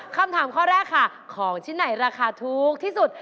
คำถามข้อแรกค่ะของชิ้นไหนราคาถูกที่สุด